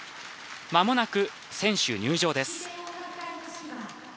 まもなく選手入場です。